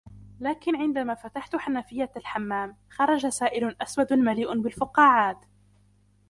لكن عندما فتحت حنفية الحمام ، خرج سائل أسود مليء بالفقاعات.